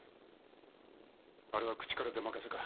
あれは口から出任せか？